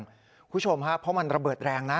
คุณผู้ชมครับเพราะมันระเบิดแรงนะ